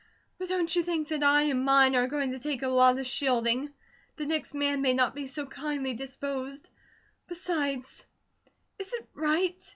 But don't you think that I and mine are going to take a lot of shielding? The next man may not be so kindly disposed. Besides, is it right?